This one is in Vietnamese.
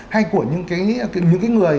hay của những cái người